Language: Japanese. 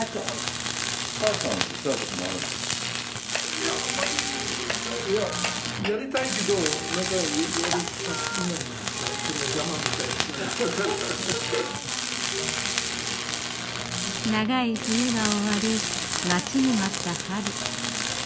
いやあんまり長い冬が終わり待ちに待った春。